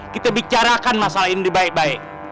kita bicarakan masalah ini baik baik